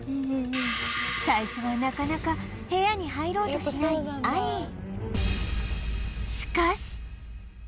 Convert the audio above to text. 最初はなかなか部屋に入ろうとしないアニー